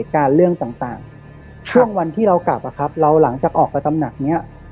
การเรื่องต่างช่วงวันที่เรากลับอะครับเราหลังจากออกไปตำหนักเนี้ย